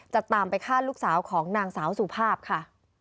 จะตามไปฆ่าลูกสาวของนางสาวสุภาพค่ะ